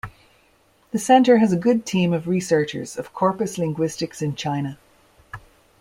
This centre has a good team of researchers of corpus linguistics in China.